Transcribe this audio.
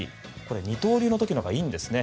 二刀流の時のほうがいいんですね。